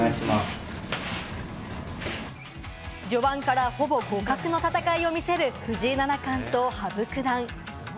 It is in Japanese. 序盤からほぼ互角の戦いを見せる藤井七冠と羽生九段。